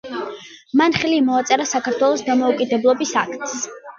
მან ხელი მოაწერა საქართველოს დამოუკიდებლობის აქტს.